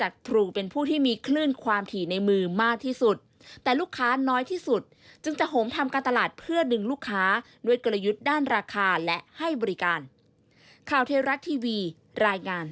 ของลูกค้าด้านราคาและให้บริการ